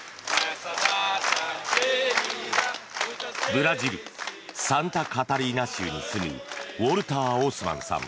ブラジル・サンタカタリーナ州に住むウォルター・オースマンさん